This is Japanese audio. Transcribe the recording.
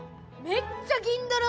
めっちゃ銀だら！